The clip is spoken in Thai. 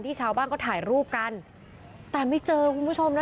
ชาวบ้านก็ถ่ายรูปกันแต่ไม่เจอคุณผู้ชมนะ